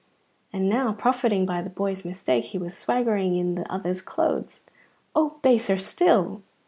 and now, profiting by the boy's mistake, he was swaggering in that other's clothes (oh, baser still!).